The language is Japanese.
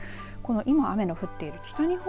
今雨の降っている北日本